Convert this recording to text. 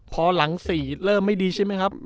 พอหลัง๔เริ่มไม่ดีใช่ไหมครับ